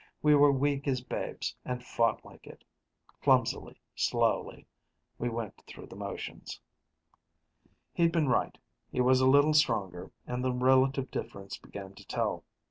We were weak as babes, and fought like it. Clumsily, slowly, we went through the motions. He'd been right he was a little stronger, and the relative difference began to tell.